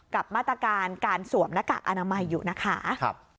กับมาตรการการสวมหน้ากากอนามัยอยู่นะคะ